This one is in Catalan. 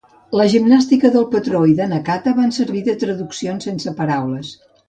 La gimnàstica del patró i de Nakata van servir de traduccions sense paraules.